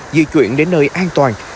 di chuyển đến nơi an toàn